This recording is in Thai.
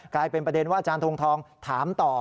กลายเป็นประเด็นว่าอาจารย์ทงทองถามต่อ